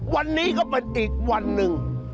วันนี้ก็เป็นอีกวันหนึ่ง